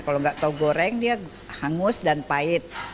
kalau nggak tahu goreng dia hangus dan pahit